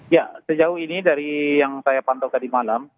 ya sejauh ini dari yang saya pantau tadi malam